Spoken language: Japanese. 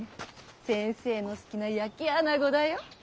先生の好きな焼きアナゴだよ。